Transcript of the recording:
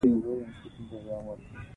علي په خپلو کړو ګناهونو ډېر صلواتونه وکړل.